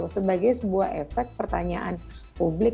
sebagai sebuah efek pertanyaan publik